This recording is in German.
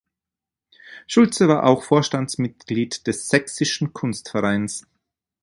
Schulze war auch Vorstandsmitglied des Sächsischen Kunstvereins.